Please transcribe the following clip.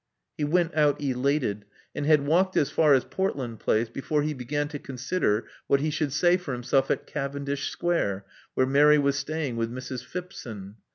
He went out elated, and had walked as far as Port land Place before he began to consider what he should say for himself at Cavendish Square, where Mary was staying with Mrs. Phipson.